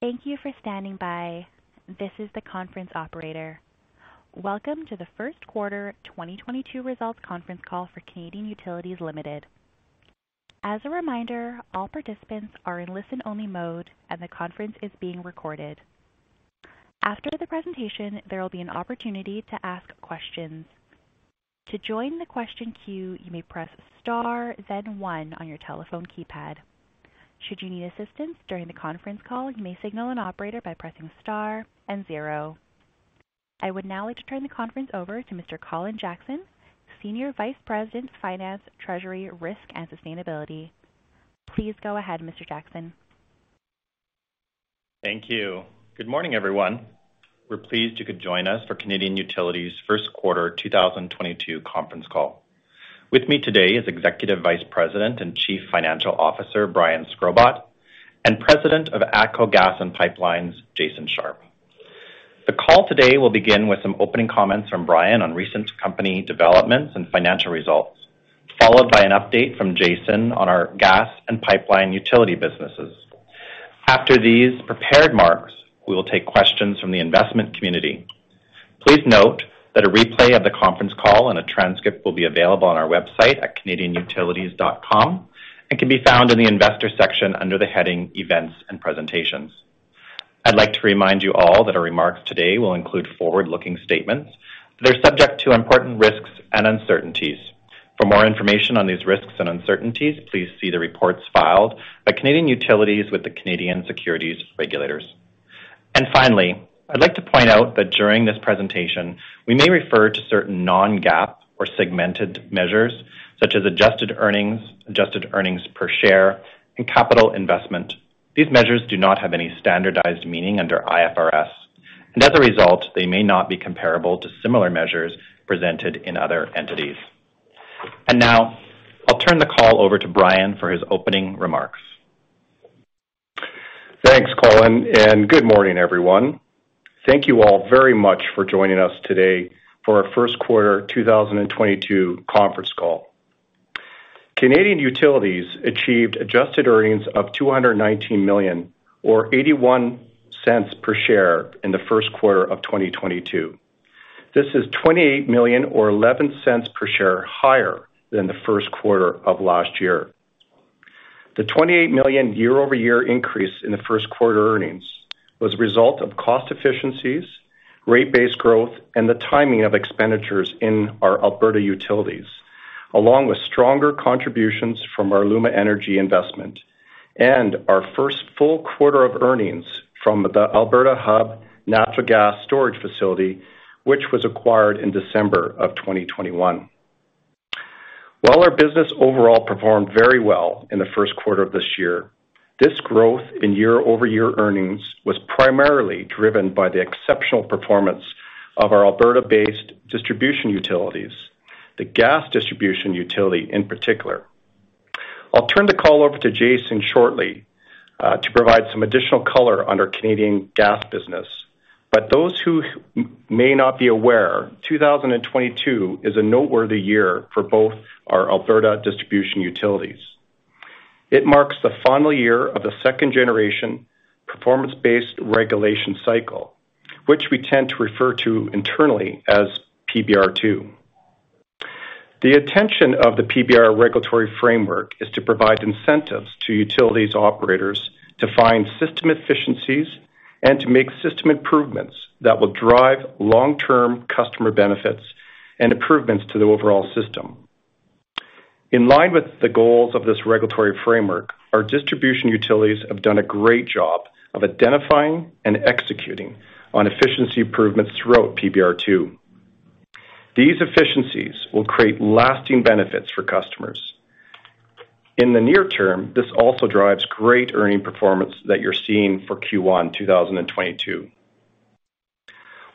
Thank you for standing by. This is the conference operator. Welcome to the first quarter 2022 results conference call for Canadian Utilities Limited. As a reminder, all participants are in listen-only mode, and the conference is being recorded. After the presentation, there will be an opportunity to ask questions. To join the question queue, you may press star then one on your telephone keypad. Should you need assistance during the conference call, you may signal an operator by pressing star and zero. I would now like to turn the conference over to Mr. Colin Jackson, Senior Vice President, Finance, Treasury, Risk, and Sustainability. Please go ahead, Mr. Jackson. Thank you. Good morning, everyone. We're pleased you could join us for Canadian Utilities first quarter 2022 conference call. With me today is Executive Vice President and Chief Financial Officer, Brian Shkrobot, and President of ATCO Gas & Pipelines, Jason Sharpe. The call today will begin with some opening comments from Brian on recent company developments and financial results, followed by an update from Jason on our gas and pipeline utility businesses. After these prepared remarks, we will take questions from the investment community. Please note that a replay of the conference call and a transcript will be available on our website at canadianutilities.com and can be found in the investor section under the heading Events and Presentations. I'd like to remind you all that our remarks today will include forward-looking statements that are subject to important risks and uncertainties. For more information on these risks and uncertainties, please see the reports filed by Canadian Utilities with the Canadian Securities Regulators. Finally, I'd like to point out that during this presentation, we may refer to certain non-GAAP or segmented measures such as adjusted earnings, adjusted earnings per share, and capital investment. These measures do not have any standardized meaning under IFRS, and as a result, they may not be comparable to similar measures presented in other entities. Now I'll turn the call over to Brian for his opening remarks. Thanks, Colin, and good morning, everyone. Thank you all very much for joining us today for our first-quarter 2022 conference call. Canadian Utilities achieved adjusted earnings of 219 million or 0.81 per share in the first quarter of 2022. This is 28 million or 0.11 per share higher than the first quarter of last year. The 28 million year-over-year increase in the first quarter earnings was a result of cost efficiencies, rate base growth, and the timing of expenditures in our Alberta utilities, along with stronger contributions from our LUMA Energy investment and our first full quarter of earnings from the Alberta Hub natural gas storage facility, which was acquired in December of 2021. While our business overall performed very well in the first quarter of this year, this growth in year-over-year earnings was primarily driven by the exceptional performance of our Alberta-based distribution utilities, the gas distribution utility in particular. I'll turn the call over to Jason shortly, to provide some additional color on our Canadian gas business. Those who may not be aware, 2022 is a noteworthy year for both our Alberta distribution utilities. It marks the final year of the second generation performance-based regulation cycle, which we tend to refer to internally as PBR2. The intention of the PBR regulatory framework is to provide incentives to utilities operators to find system efficiencies and to make system improvements that will drive long-term customer benefits and improvements to the overall system. In line with the goals of this regulatory framework, our distribution utilities have done a great job of identifying and executing on efficiency improvements throughout PBR2. These efficiencies will create lasting benefits for customers. In the near term, this also drives great earnings performance that you're seeing for Q1 2022.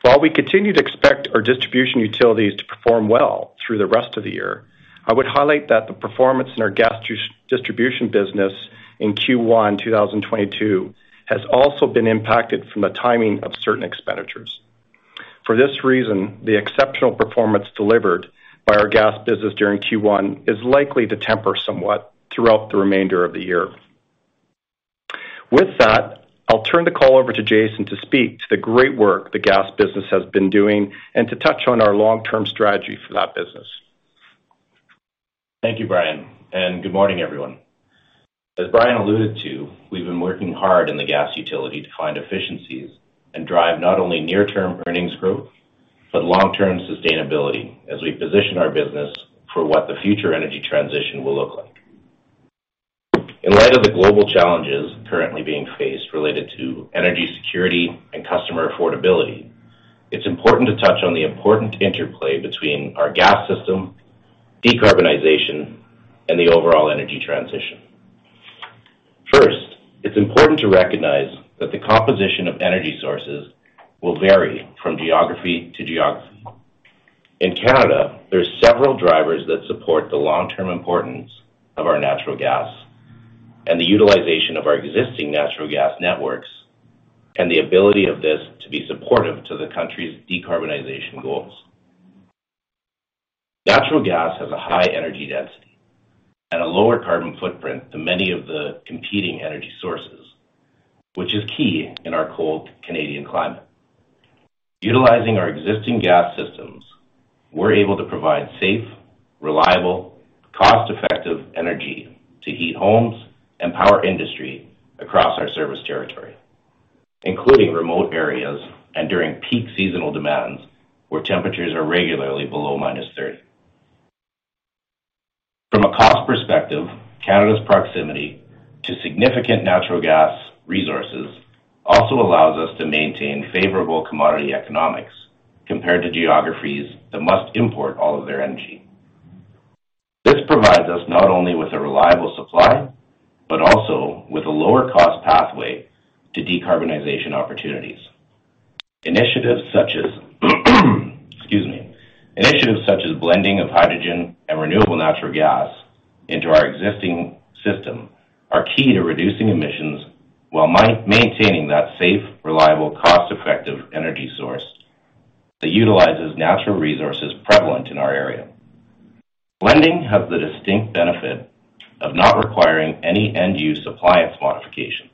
While we continue to expect our distribution utilities to perform well through the rest of the year, I would highlight that the performance in our gas distribution business in Q1 2022 has also been impacted from the timing of certain expenditures. For this reason, the exceptional performance delivered by our gas business during Q1 is likely to temper somewhat throughout the remainder of the year. With that, I'll turn the call over to Jason to speak to the great work the gas business has been doing and to touch on our long-term strategy for that business. Thank you, Brian, and good morning, everyone. As Brian alluded to, we've been working hard in the gas utility to find efficiencies and drive not only near-term earnings growth but long-term sustainability as we position our business for what the future energy transition will look like. In light of the global challenges currently being faced related to energy security and customer affordability, it's important to touch on the important interplay between our gas system, decarbonization, and the overall energy transition. First, it's important to recognize that the composition of energy sources will vary from geography to geography. In Canada, there's several drivers that support the long-term importance of our natural gas and the utilization of our existing natural gas networks and the ability of this to be supportive to the country's decarbonization goals. Natural gas has a high energy density and a lower carbon footprint than many of the competing energy sources, which is key in our cold Canadian climate. Utilizing our existing gas systems, we're able to provide safe, reliable, cost-effective energy to heat homes and power industry across our service territory, including remote areas and during peak seasonal demands where temperatures are regularly below minus thirty. From a cost perspective, Canada's proximity to significant natural gas resources also allows us to maintain favorable commodity economics compared to geographies that must import all of their energy. This provides us not only with a reliable supply, but also with a lower-cost pathway to decarbonization opportunities. Excuse me. Initiatives such as blending of hydrogen and renewable natural gas into our existing system are key to reducing emissions while maintaining that safe, reliable, cost-effective energy source that utilizes natural resources prevalent in our area. Blending has the distinct benefit of not requiring any end-use appliance modifications,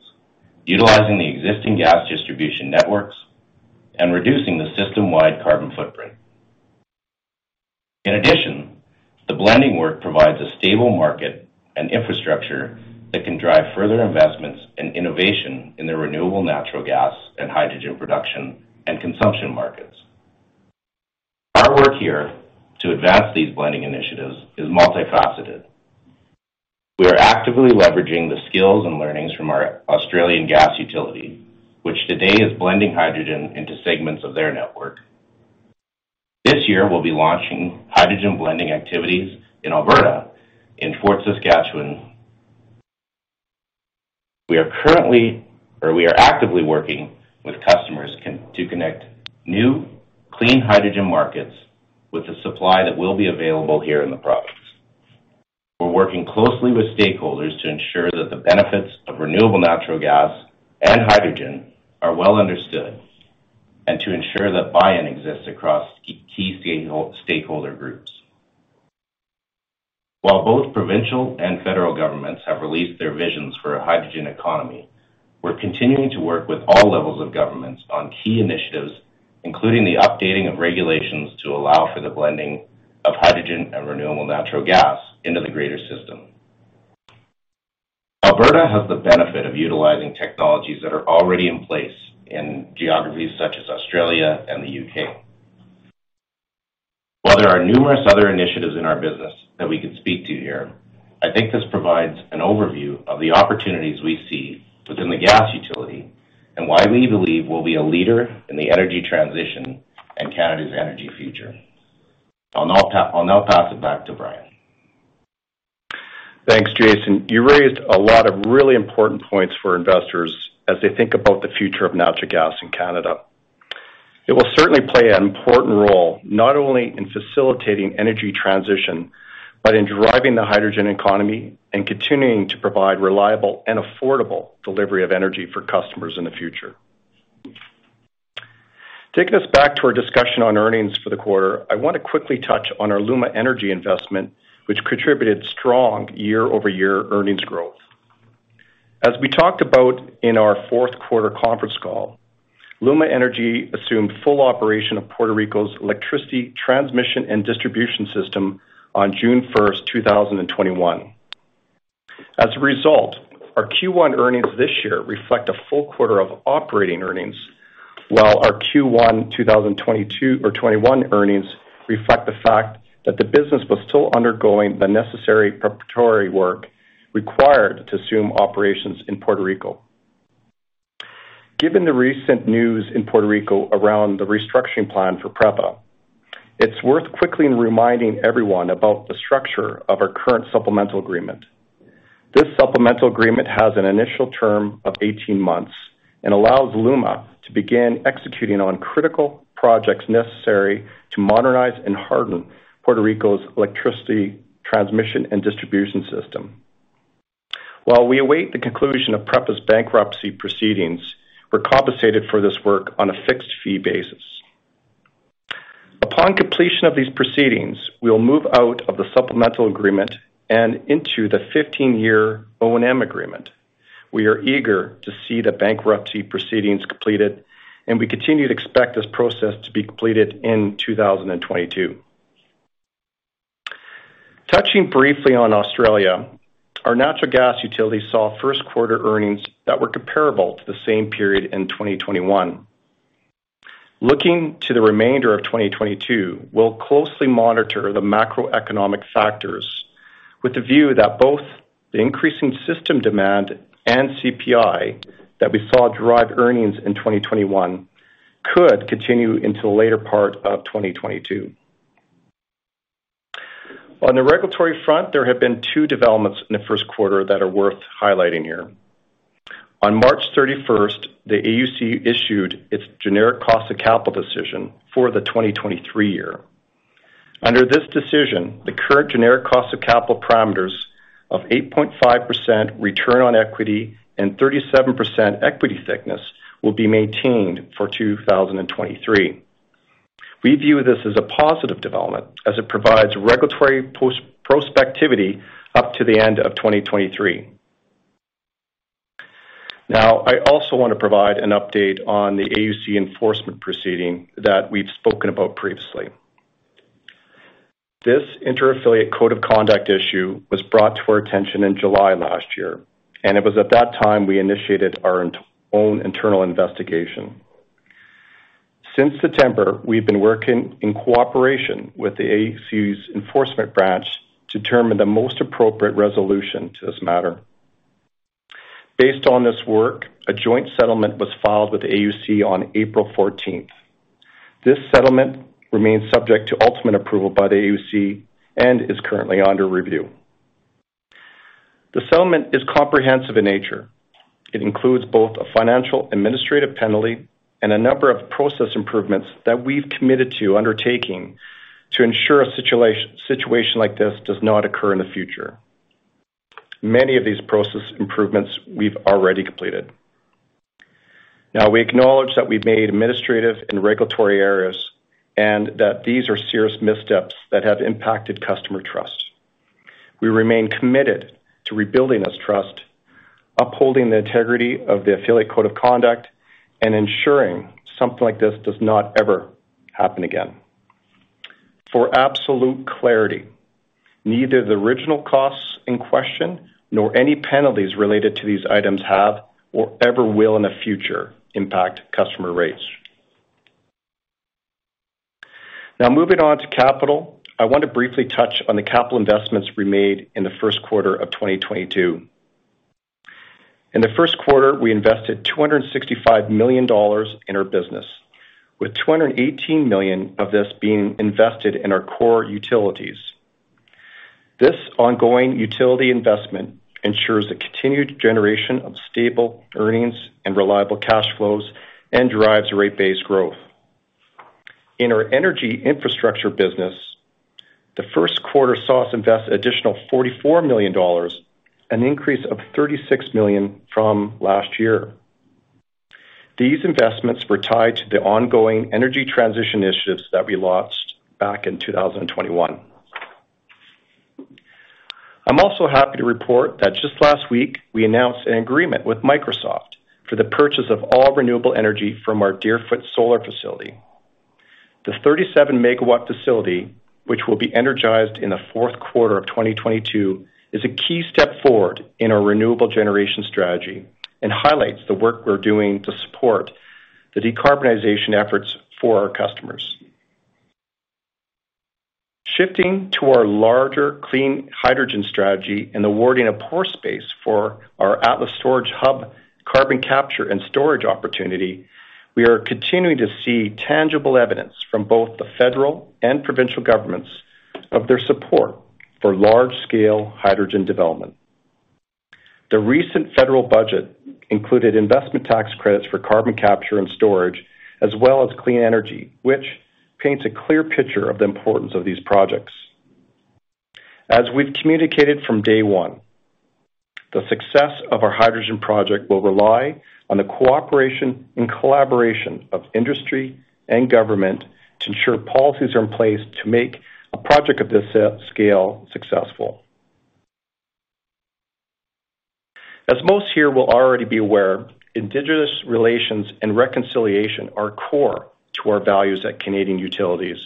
utilizing the existing gas distribution networks and reducing the system-wide carbon footprint. In addition, the blending work provides a stable market and infrastructure that can drive further investments and innovation in the renewable natural gas and hydrogen production and consumption markets. Our work here to advance these blending initiatives is multifaceted. We are actively leveraging the skills and learnings from our Australian gas utility, which today is blending hydrogen into segments of their network. This year we'll be launching hydrogen blending activities in Alberta, in Fort Saskatchewan. We are currently. We are actively working with customers to connect new clean hydrogen markets with the supply that will be available here in the province. We're working closely with stakeholders to ensure that the benefits of renewable natural gas and hydrogen are well understood, and to ensure that buy-in exists across key stakeholder groups. While both provincial and federal governments have released their visions for a hydrogen economy, we're continuing to work with all levels of governments on key initiatives, including the updating of regulations to allow for the blending of hydrogen and renewable natural gas into the greater system. Alberta has the benefit of utilizing technologies that are already in place in geographies such as Australia and the UK. While there are numerous other initiatives in our business that we can speak to here, I think this provides an overview of the opportunities we see within the gas utility and why we believe we'll be a leader in the energy transition and Canada's energy future. I'll now pass it back to Brian. Thanks, Jason. You raised a lot of really important points for investors as they think about the future of natural gas in Canada. It will certainly play an important role, not only in facilitating energy transition, but in driving the hydrogen economy and continuing to provide reliable and affordable delivery of energy for customers in the future. Taking us back to our discussion on earnings for the quarter, I want to quickly touch on our LUMA Energy investment, which contributed strong year-over-year earnings growth. As we talked about in our fourth quarter conference call, LUMA Energy assumed full operation of Puerto Rico's electricity transmission and distribution system on June 1, 2021. As a result, our Q1 earnings this year reflect a full quarter of operating earnings, while our Q1 2022 or 2021 earnings reflect the fact that the business was still undergoing the necessary preparatory work required to assume operations in Puerto Rico. Given the recent news in Puerto Rico around the restructuring plan for PREPA, it's worth quickly reminding everyone about the structure of our current supplemental agreement. This supplemental agreement has an initial term of 18 months and allows LUMA to begin executing on critical projects necessary to modernize and harden Puerto Rico's electricity transmission and distribution system. While we await the conclusion of PREPA's bankruptcy proceedings, we're compensated for this work on a fixed fee basis. Upon completion of these proceedings, we'll move out of the supplemental agreement and into the 15-year O&M agreement. We are eager to see the bankruptcy proceedings completed, and we continue to expect this process to be completed in 2022. Touching briefly on Australia, our natural gas utility saw first quarter earnings that were comparable to the same period in 2021. Looking to the remainder of 2022, we'll closely monitor the macroeconomic factors with a view that both the increasing system demand and CPI that we saw drive earnings in 2021 could continue into the later part of 2022. On the regulatory front, there have been two developments in the first quarter that are worth highlighting here. On March 31st, the AUC issued its generic cost of capital decision for the 2023 year. Under this decision, the current generic cost of capital parameters of 8.5% return on equity and 37% equity thickness will be maintained for 2023. We view this as a positive development as it provides regulatory certainty up to the end of 2023. Now, I also want to provide an update on the AUC enforcement proceeding that we've spoken about previously. This Inter-Affiliate Code of Conduct issue was brought to our attention in July last year, and it was at that time we initiated our own internal investigation. Since September, we've been working in cooperation with the AUC's enforcement branch to determine the most appropriate resolution to this matter. Based on this work, a joint settlement was filed with AUC on April fourteenth. This settlement remains subject to ultimate approval by the AUC and is currently under review. The settlement is comprehensive in nature. It includes both a financial administrative penalty and a number of process improvements that we've committed to undertaking to ensure a situation like this does not occur in the future. Many of these process improvements we've already completed. Now, we acknowledge that we've made administrative and regulatory errors and that these are serious missteps that have impacted customer trust. We remain committed to rebuilding this trust, upholding the integrity of the Affiliate Code of Conduct, and ensuring something like this does not ever happen again. For absolute clarity, neither the original costs in question nor any penalties related to these items have or ever will in the future impact customer rates. Now, moving on to capital. I want to briefly touch on the capital investments we made in the first quarter of 2022. In the first quarter, we invested 265 million dollars in our business, with 218 million of this being invested in our core utilities. This ongoing utility investment ensures the continued generation of stable earnings and reliable cash flows and drives rate-based growth. In our energy infrastructure business, the first quarter saw us invest additional 44 million dollars, an increase of 36 million from last year. These investments were tied to the ongoing energy transition initiatives that we launched back in 2021. I'm also happy to report that just last week, we announced an agreement with Microsoft for the purchase of all renewable energy from our Deerfoot Solar facility. The 37-MW facility, which will be energized in the fourth quarter of 2022, is a key step forward in our renewable generation strategy and highlights the work we're doing to support the decarbonization efforts for our customers. Shifting to our larger clean hydrogen strategy and awarding a pore space for our Atlas Carbon Storage Hub carbon capture and storage opportunity, we are continuing to see tangible evidence from both the federal and provincial governments of their support for large-scale hydrogen development. The recent federal budget included investment tax credits for carbon capture and storage, as well as clean energy, which paints a clear picture of the importance of these projects. As we've communicated from day one, the success of our hydrogen project will rely on the cooperation and collaboration of industry and government to ensure policies are in place to make a project of this scale successful. As most here will already be aware, Indigenous relations and reconciliation are core to our values at Canadian Utilities.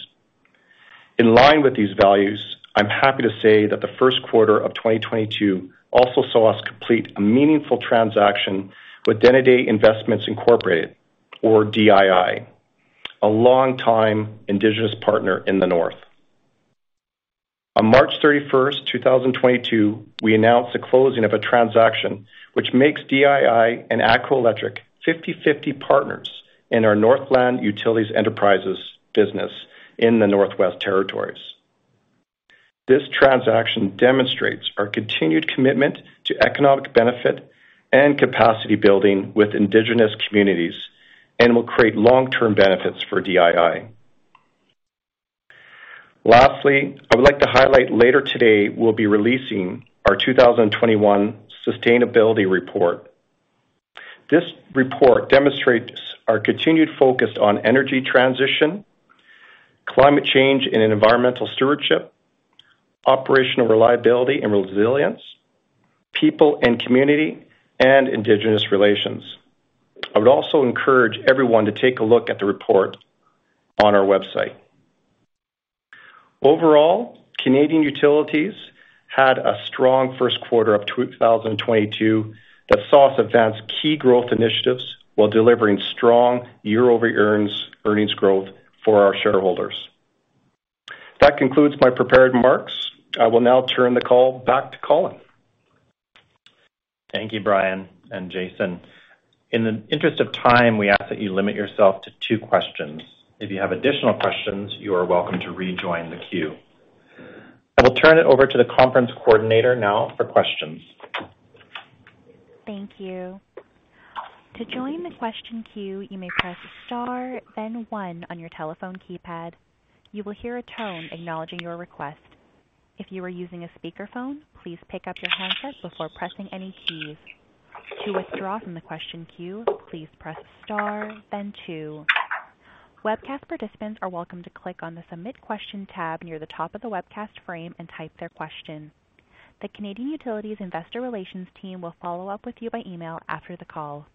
In line with these values, I'm happy to say that the first quarter of 2022 also saw us complete a meaningful transaction with Denendeh Investments Incorporated, or DII, a long-time indigenous partner in the North. On March 31, 2022, we announced the closing of a transaction which makes DII an ATCO Electric 50/50 partner in our Northland Utilities Enterprises business in the Northwest Territories. This transaction demonstrates our continued commitment to economic benefit and capacity building with indigenous communities and will create long-term benefits for DII. Lastly, I would like to highlight, later today we'll be releasing our 2021 sustainability report. This report demonstrates our continued focus on energy transition, climate change and environmental stewardship, operational reliability and resilience, people and community, and Indigenous relations. I would also encourage everyone to take a look at the report on our website. Overall, Canadian Utilities had a strong first quarter of 2022 that saw us advance key growth initiatives while delivering strong year-over-year earnings growth for our shareholders. That concludes my prepared remarks. I will now turn the call back to Colin. Thank you, Brian and Jason. In the interest of time, we ask that you limit yourself to two questions. If you have additional questions, you are welcome to rejoin the queue. I will turn it over to the conference coordinator now for questions. Thank you. To join the question queue, you may press star then one on your telephone keypad. You will hear a tone acknowledging your request. If you are using a speakerphone, please pick up your handset before pressing any keys. To withdraw from the question queue, please press Star then two. Webcast participants are welcome to click on the Submit Question tab near the top of the webcast frame and type their question. The Canadian Utilities investor relations team will follow up with you by email after the call.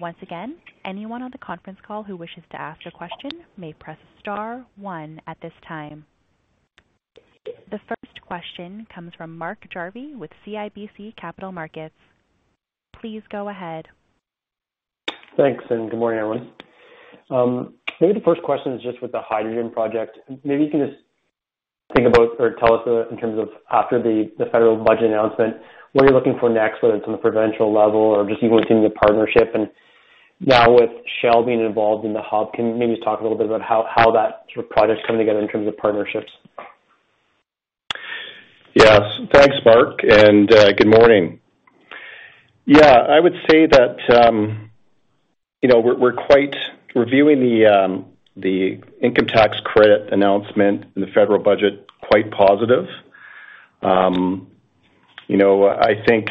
Once again, anyone on the conference call who wishes to ask a question may press Star one at this time. The first question comes from Mark Jarvi with CIBC Capital Markets. Please go ahead. Thanks, and good morning, everyone. Maybe the first question is just with the hydrogen project. Maybe you can just think about or tell us in terms of after the federal budget announcement, what are you looking for next, whether it's on the provincial level or just even within the partnership. Now with Shell being involved in the hub, can you maybe talk a little bit about how that sort of project is coming together in terms of partnerships? Yes. Thanks, Mark, and good morning. Yeah. I would say that you know, we're viewing the investment tax credit announcement in the federal budget quite positively. You know, I think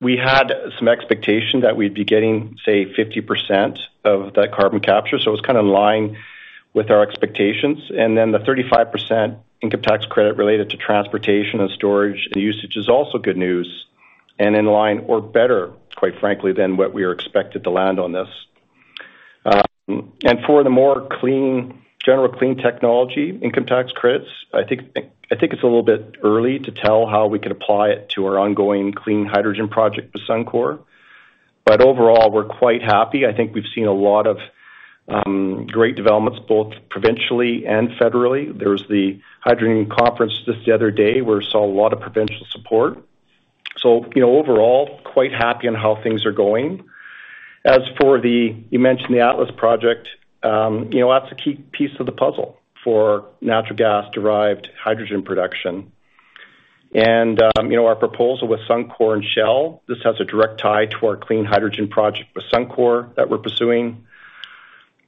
we had some expectation that we'd be getting, say, 50% of that carbon capture. So it was kind of in line with our expectations. Then the 35% investment tax credit related to transportation and storage and usage is also good news and in line or better, quite frankly, than what we expected to land on this. For the more general clean technology investment tax credits, I think it's a little bit early to tell how we could apply it to our ongoing clean hydrogen project with Suncor. Overall, we're quite happy. I think we've seen a lot of great developments, both provincially and federally. There was the hydrogen conference just the other day where we saw a lot of provincial support. you know, overall, quite happy on how things are going. As for the Atlas project you mentioned, you know, that's a key piece of the puzzle for natural gas-derived hydrogen production. you know, our proposal with Suncor and Shell, this has a direct tie to our clean hydrogen project with Suncor that we're pursuing.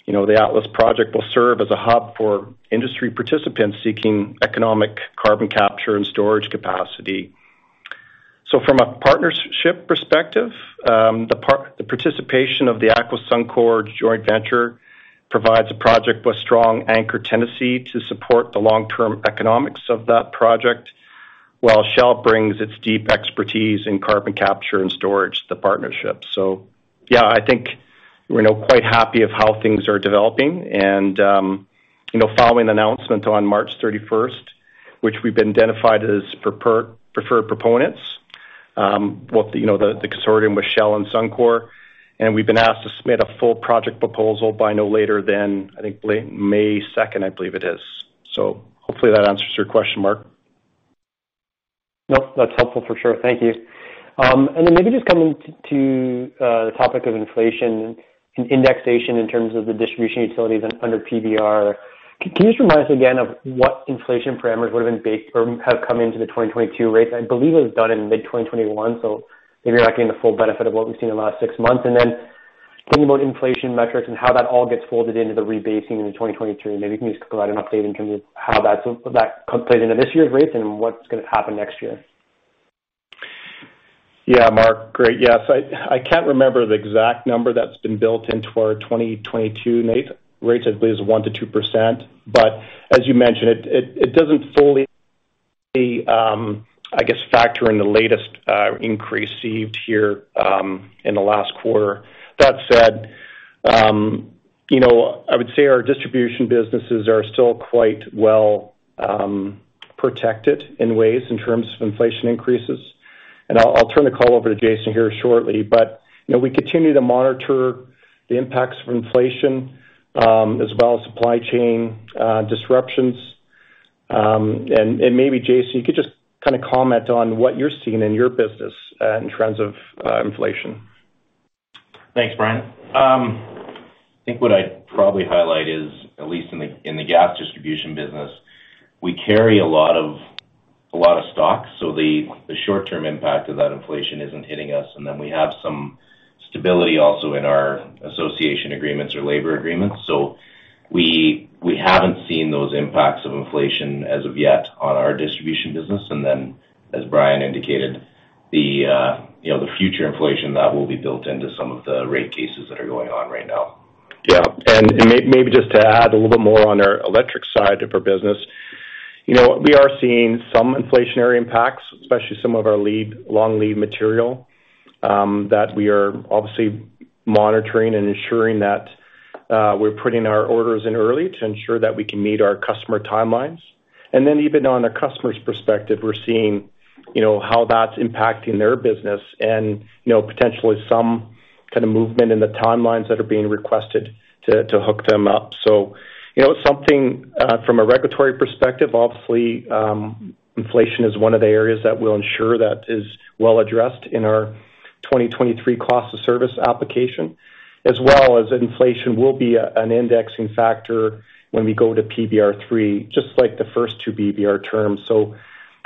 You know, the Atlas project will serve as a hub for industry participants seeking economic carbon capture and storage capacity. From a partnership perspective, the participation of the ATCO-Suncor Joint Venture provides a project with strong anchor tenancy to support the long-term economics of that project, while Shell brings its deep expertise in carbon capture and storage to the partnership. Yeah, I think we're now quite happy of how things are developing. You know, following the announcement on March 31, which we've been identified as preferred proponents, you know, the consortium with Shell and Suncor, and we've been asked to submit a full project proposal by no later than, I think, late May, I believe it is. Hopefully that answers your question, Mark. Nope. That's helpful for sure. Thank you. Maybe just coming to the topic of inflation and indexation in terms of the distribution utilities under PBR. Can you just remind us again of what inflation parameters would have been baked or have come into the 2022 rates? I believe it was done in mid-2021, so maybe you're not getting the full benefit of what we've seen in the last six months. Thinking about inflation metrics and how that all gets folded into the rebasing in the 2023, maybe can you just provide an update in terms of how that plays into this year's rates and what's gonna happen next year? Yeah, Mark. Great. Yes. I can't remember the exact number that's been built into our 2022 rates. I believe is 1%-2%. As you mentioned, it doesn't fully, I guess, factor in the latest increase received here in the last quarter. That said, you know, I would say our distribution businesses are still quite well protected in ways in terms of inflation increases. I'll turn the call over to Jason here shortly. You know, we continue to monitor the impacts of inflation as well as supply chain disruptions. And maybe Jason, you could just kinda comment on what you're seeing in your business in trends of inflation. Thanks, Brian. I think what I'd probably highlight is, at least in the gas distribution business, we carry a lot of stocks, so the short-term impact of that inflation isn't hitting us. We have some stability also in our association agreements or labor agreements. We haven't seen those impacts of inflation as of yet on our distribution business. As Brian indicated, the future inflation that will be built into some of the rate cases that are going on right now. Yeah. Maybe just to add a little bit more on our electric side of our business. You know, we are seeing some inflationary impacts, especially some of our long-lead material, that we are obviously monitoring and ensuring that, we're putting our orders in early to ensure that we can meet our customer timelines. Even on the customer's perspective, we're seeing, you know, how that's impacting their business and, you know, potentially some kind of movement in the timelines that are being requested to hook them up. You know, something from a regulatory perspective, obviously, inflation is one of the areas that we'll ensure that is well addressed in our 2023 cost of service application, as well as inflation will be an indexing factor when we go to PBR three, just like the first two PBR terms.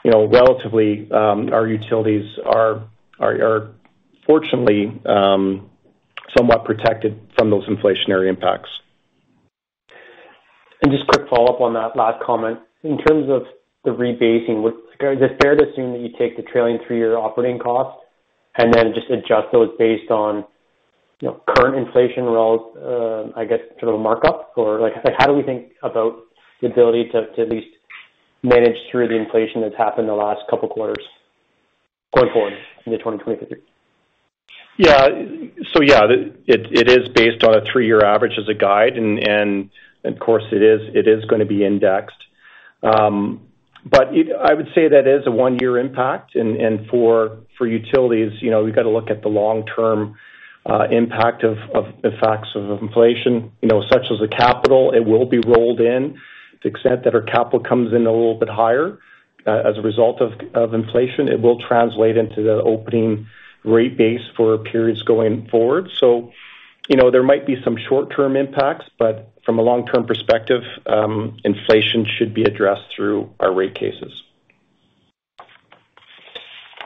You know, relatively, our utilities are fortunately somewhat protected from those inflationary impacts. Just quick follow-up on that last comment. In terms of the rebasing, is it fair to assume that you take the trailing three-year operating cost and then just adjust those based on, you know, current inflation rolls? I guess sort of a markup or like how do we think about the ability to at least manage through the inflation that's happened in the last couple quarters going forward into 2023? It is based on a three-year average as a guide and of course it is gonna be indexed. I would say that is a one-year impact. For utilities, you know, we've got to look at the long-term impact of effects of inflation, you know, such as the capital. It will be rolled in to the extent that our capital comes in a little bit higher as a result of inflation. It will translate into the opening rate base for periods going forward. You know, there might be some short-term impacts, but from a long-term perspective, inflation should be addressed through our rate cases.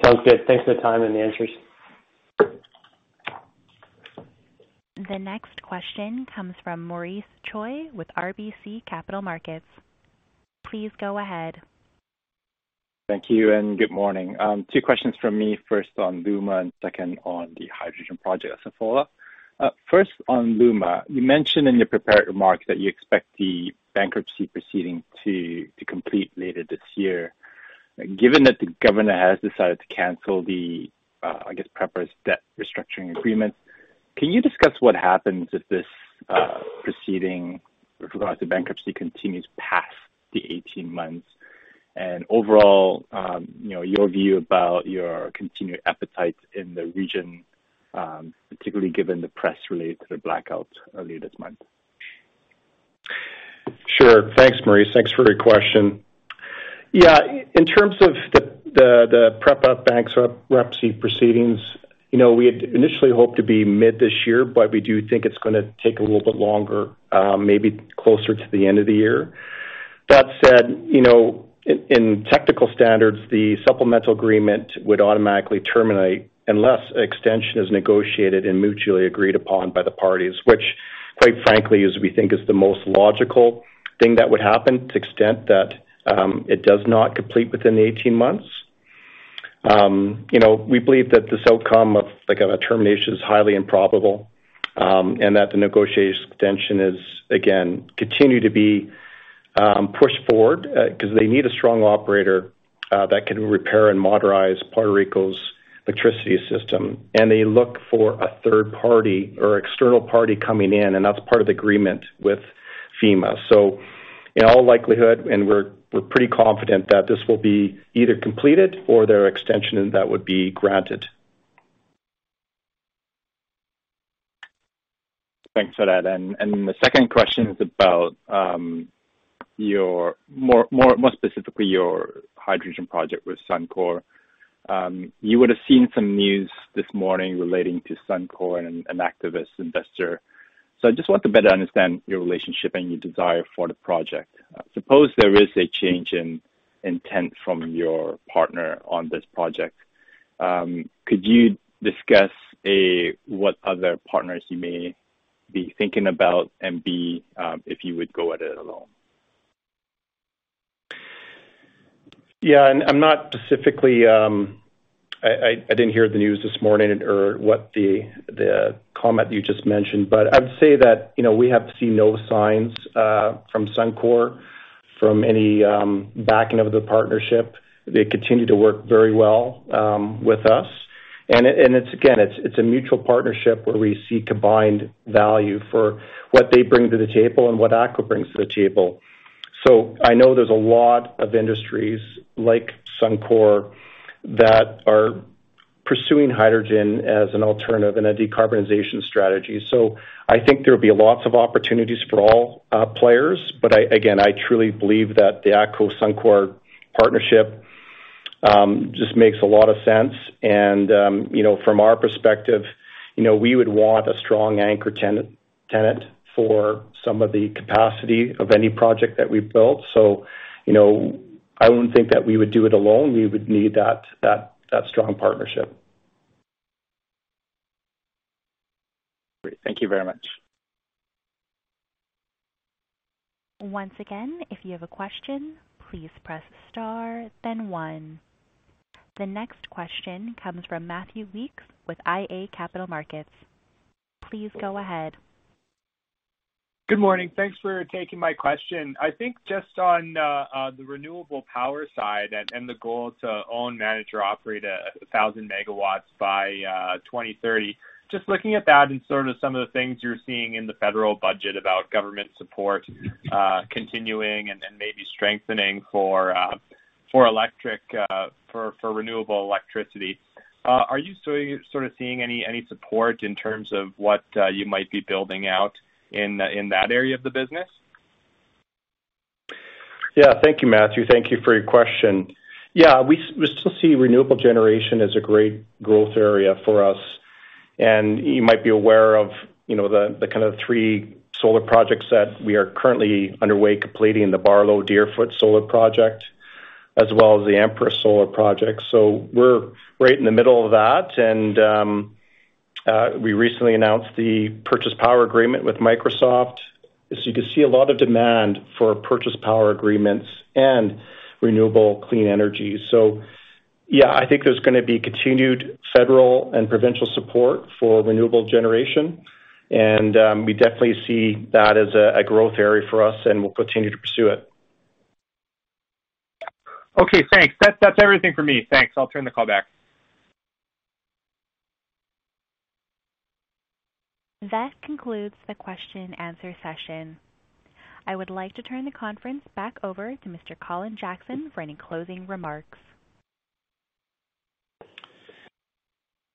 Sounds good. Thanks for the time and the answers. The next question comes from Maurice Choy with RBC Capital Markets. Please go ahead. Thank you and good morning. Two questions from me. First on LUMA and second on the hydrogen project as a follow-up. First on LUMA. You mentioned in your prepared remarks that you expect the bankruptcy proceeding to complete later this year. Given that the governor has decided to cancel the, I guess PREPA's debt restructuring agreement, can you discuss what happens if this proceeding with regards to bankruptcy continues past the 18 months? Overall, you know, your view about your continued appetite in the region, particularly given the press related to the blackout earlier this month. Sure. Thanks, Maurice. Thanks for your question. Yeah. In terms of the PREPA bankruptcy proceedings, you know, we had initially hoped to be mid this year, but we do think it's gonna take a little bit longer, maybe closer to the end of the year. That said, you know, in technical standards, the supplemental agreement would automatically terminate unless extension is negotiated and mutually agreed upon by the parties, which quite frankly we think is the most logical thing that would happen to the extent that it does not complete within the 18 months. You know, we believe that this outcome of like a termination is highly improbable, and that the extension negotiation will again continue to be pushed forward, 'cause they need a strong operator that can repair and modernize Puerto Rico's electricity system. They look for a third party or external party coming in, and that's part of the agreement with AEMA. In all likelihood, and we're pretty confident that this will be either completed or their extension and that would be granted. Thanks for that. The second question is about more specifically your hydrogen project with Suncor. You would have seen some news this morning relating to Suncor and an activist investor. I just want to better understand your relationship and your desire for the project. Suppose there is a change in intent from your partner on this project, could you discuss, A, what other partners you may be thinking about and, B, if you would go at it alone? Yeah. I'm not specifically. I didn't hear the news this morning or what the comment you just mentioned, but I would say that, you know, we have seen no signs from Suncor of any backing out of the partnership. They continue to work very well with us. It's again a mutual partnership where we see combined value for what they bring to the table and what ATCO brings to the table. I know there's a lot of industries like Suncor that are pursuing hydrogen as an alternative in a decarbonization strategy. I think there'll be lots of opportunities for all players. I again truly believe that the ATCO-Suncor partnership just makes a lot of sense. You know, from our perspective, you know, we would want a strong anchor tenant for some of the capacity of any project that we've built. You know, I wouldn't think that we would do it alone. We would need that strong partnership. Great. Thank you very much. Once again, if you have a question, please press star then one. The next question comes from Matthew Weekes with iA Capital Markets. Please go ahead. Good morning. Thanks for taking my question. I think just on the renewable power side and the goal to own, manage or operate 1,000 megawatts by 2030. Just looking at that and sort of some of the things you're seeing in the federal budget about government support continuing and then maybe strengthening for renewable electricity. Are you sort of seeing any support in terms of what you might be building out in that area of the business? Yeah. Thank you, Matthew. Thank you for your question. Yeah. We still see renewable generation as a great growth area for us. You might be aware of the kind of three solar projects that we are currently underway completing, the Barlow, Deerfoot Solar project, as well as the Empress Solar project. We're right in the middle of that. We recently announced the power purchase agreement with Microsoft. You can see a lot of demand for power purchase agreements and renewable clean energy. Yeah, I think there's gonna be continued federal and provincial support for renewable generation. We definitely see that as a growth area for us and we'll continue to pursue it. Okay, thanks. That's everything for me. Thanks. I'll turn the call back. That concludes the question and answer session. I would like to turn the conference back over to Mr. Colin Jackson for any closing remarks.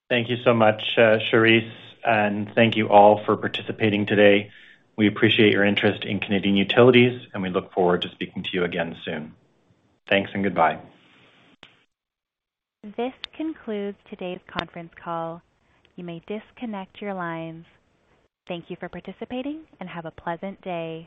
Thank you so much, Charisse, and thank you all for participating today. We appreciate your interest in Canadian Utilities, and we look forward to speaking to you again soon. Thanks and goodbye. This concludes today's conference call. You may disconnect your lines. Thank you for participating and have a pleasant day.